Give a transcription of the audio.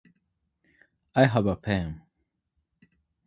I have a pen.